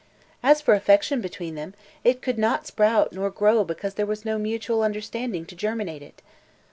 As for affection between them, it could not sprout nor grow because there was no mutual understanding to germinate it.